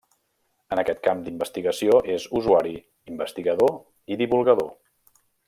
En aquest camp d’investigació és usuari, investigador i divulgador.